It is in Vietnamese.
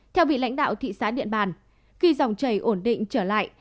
theo vị lãnh đạo thị xã điện bàn khi dòng chảy ổn định trở lại